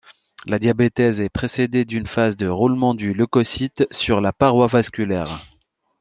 La diapédèse est précédée d'une phase de roulement du leucocyte sur la paroi vasculaire.